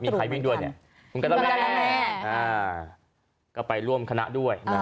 นี่มีใครวิ่งด้วยเนี่ยคุณกระแม่ก็ไปร่วมคณะด้วย